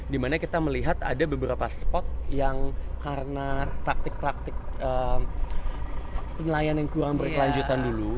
dimana kita melihat ada beberapa spot yang karena praktik praktik penilaian yang kurang berkelanjutan dulu